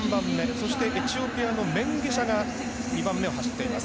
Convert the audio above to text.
そして、エチオピアのメンゲシャが２番目を走っています。